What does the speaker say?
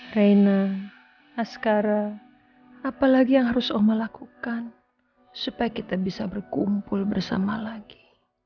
raina askara apalagi yang harus oma lakukan supaya kita bisa berkumpul bersama lagi